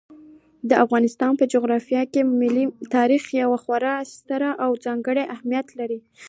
د افغانستان په جغرافیه کې ملي تاریخ یو خورا ستر او ځانګړی اهمیت لري.